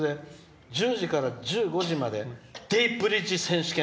１０時から１５時まで泥ブリッジ選手権。